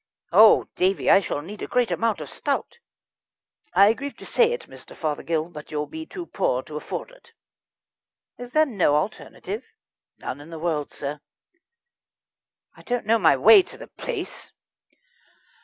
Oh, Davie, I shall need a great amount of stout." "I grieve to say it, Mr. Fothergill, but you'll be too poor to afford it." "Is there no alternative?" "None in the world, sir." "I don't know my way to the place."